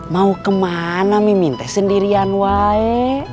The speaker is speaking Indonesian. mau kemana mimintai sendirian wae